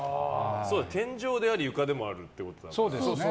天井であり床でもあるってことだから。